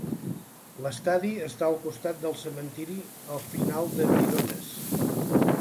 L'estadi està al costat del cementiri, al final de Vyronas.